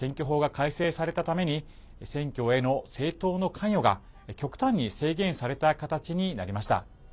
改正されたために選挙への政党の関与が極端に制限された形になりました。